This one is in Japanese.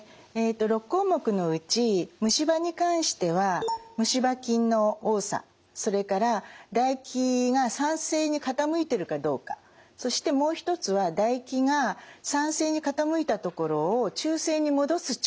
６項目のうち虫歯に関しては虫歯菌の多さそれから唾液が酸性に傾いてるかどうかそしてもう一つは唾液が酸性に傾いたところを中性に戻す力